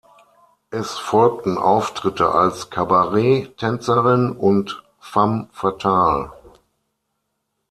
Es folgten Auftritte als Cabaret-Tänzerin und Femme fatale.